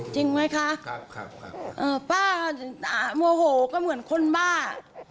จริงไหมคะป้าโมโหก็เหมือนคนบ้า